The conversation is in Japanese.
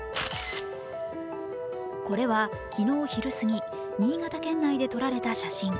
これは昨日昼すぎ、新潟県内で撮られた写真。